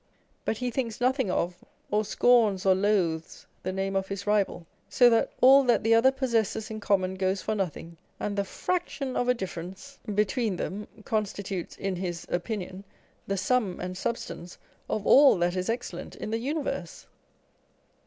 But ho â–ºthinks nothing of, or scorns or loathes the name of his rival, so that all that the other possesses in common goes for nothing, and the fraction of a difference between them 230 On Egotism. constitutes (in his opinion) the sum and substance of all that is excellent in the universe